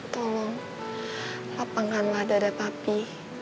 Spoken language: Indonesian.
tolong lapangkanlah dada papi